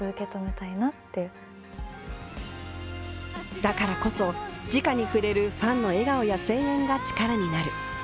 だからこそ、じかに触れるファンの笑顔や声援が力になる。